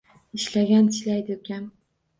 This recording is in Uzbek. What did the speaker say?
Ishlagan tishlaydi ukam.